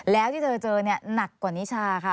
แล้วที่เธอเจอเนี่ยหนักกว่านิชาค่ะ